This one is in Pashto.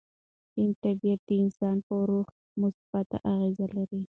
شین طبیعت د انسان پر روح مثبت اغېزه لري.